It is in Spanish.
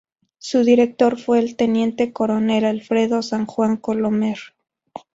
Su director fue el teniente coronel Alfredo San Juan Colomer.